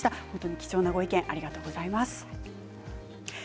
貴重なご意見ありがとうございました。